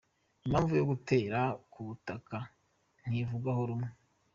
Impamvu yo kutera k’ubutaka ntivugwaho rumwe